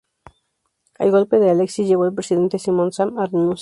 El golpe de Alexis llevó al presidente Simon Sam a renunciar.